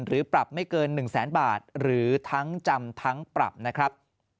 หรือปรับไม่เกิน๑แสนบาทหรือทั้งจำทั้งปรับนะครับ